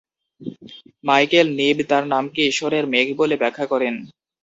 Michael নিব তার নামকে "ঈশ্বরের মেঘ" বলে ব্যাখ্যা করেন।